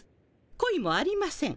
恋もありません。